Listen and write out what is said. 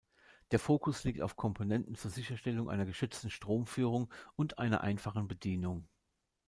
Der Fokus liegt auf Komponenten zur Sicherstellung einer geschützten Stromzuführung und einer einfachen Bedienung.